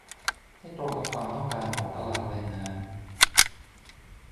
ให้ตรงกับความต้องการของตลาดแรงงาน